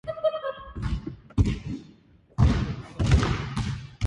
コロラド州の州都はデンバーである